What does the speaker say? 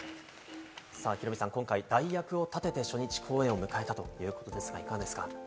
ヒロミさん、今回代役を立てて初日公演を迎えたということですが、いかがですか？